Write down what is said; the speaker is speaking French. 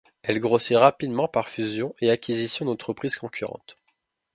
Elle grossit rapidement par fusion et acquisition d'entreprises concurrentes.